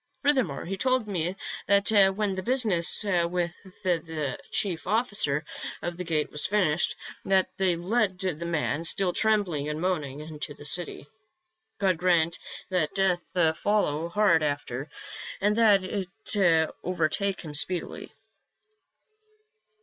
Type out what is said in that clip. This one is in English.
Furthermore, he told me that when the business with the chief officer of the gate was finished, that they led the man, still trembling and moaning, into the city. God grant that death follow hard after, and that it overtake him speedily."